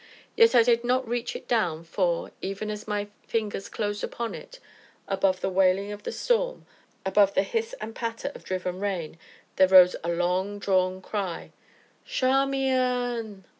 Yet I did not reach it down, for, even as my fingers closed upon it, above the wailing of the storm, above the hiss and patter of driven rain, there rose a long drawn cry: "Charmian!"